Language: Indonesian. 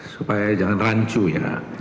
supaya jangan rancu ya